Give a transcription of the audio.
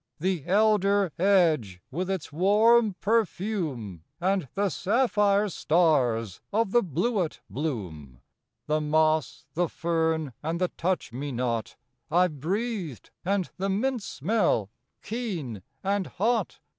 The elder edge with its warm perfume, And the sapphire stars of the bluet bloom; The moss, the fern, and the touch me not I breathed, and the mint smell keen and hot.